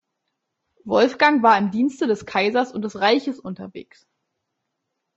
Wolfgang war im Dienste des Kaisers und des Reiches unterwegs.